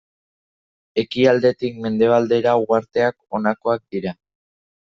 Ekialdetik mendebaldera uharteak honakoak dira.